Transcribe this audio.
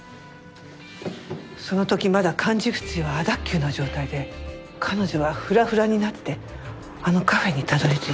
その時まだ環軸椎は亜脱臼の状態で彼女はフラフラになってあのカフェにたどり着いた。